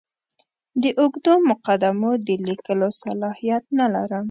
د اوږدو مقدمو د لیکلو صلاحیت نه لرم.